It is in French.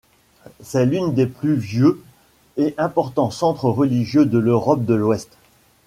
C'est l'une des plus vieux et importants centres religieux de l'Europe de l'Ouest.